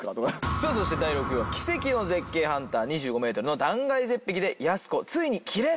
さあそして第６位は「奇跡の絶景ハンター２５ｍの断崖絶壁でやす子ついにキレる！？」